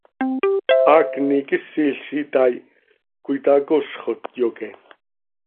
Haacni quisil z itaai, cöitacozxot, yoque.